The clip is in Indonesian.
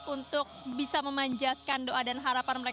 untuk bisa memanjatkan doa dan harapan mereka